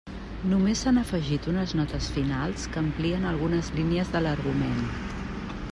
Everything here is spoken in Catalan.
Només s'han afegit unes notes finals, que amplien algunes línies de l'argument.